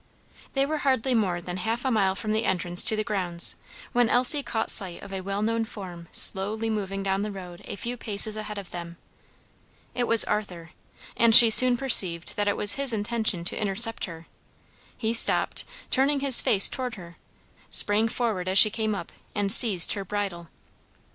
They were hardly more than half a mile from the entrance to the grounds, when Elsie caught sight of a well known form slowly moving down the road a few paces ahead of them. It was Arthur, and she soon perceived that it was his intention to intercept her; he stopped, turning his face toward her, sprang forward as she came up, and seized her bridle.